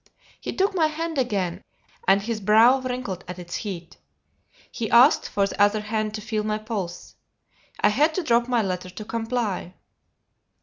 He took my hand again, and his brow wrinkled at its heat. He asked for the other hand to feel my pulse. I had to drop my letter to comply.